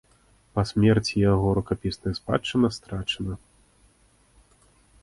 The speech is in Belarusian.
Па смерці яго рукапісная спадчына страчаная.